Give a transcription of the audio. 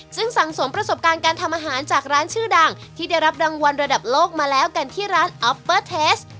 ซึ่งสั่งสมประสบการณ์การทำอาหารจากร้านชื่อดังที่ได้รับรางวัลระดับโลกมาแล้วกันที่ร้านออปเปอร์เทส